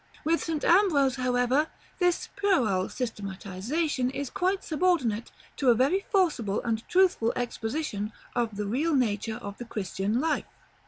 With St. Ambrose, however, this puerile systematization is quite subordinate to a very forcible and truthful exposition of the real nature of the Christian life.